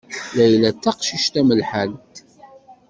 Layla d taqcict tamelḥant.